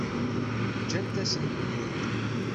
Ǧǧant-asent-ten-id.